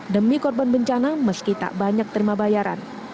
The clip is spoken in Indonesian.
demi korban bencana meski tak banyak terima bayaran